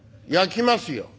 焼きますよ」。